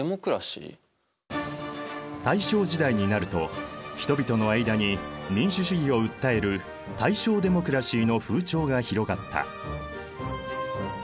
大正時代になると人々の間に民主主義を訴える大正デモクラシーの風潮が広がった。